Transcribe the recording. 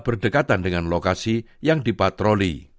berdekatan dengan lokasi yang dipatroli